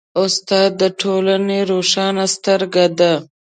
استاد د ټولنې روښانه سترګه ده.